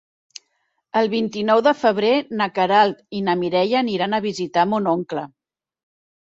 El vint-i-nou de febrer na Queralt i na Mireia aniran a visitar mon oncle.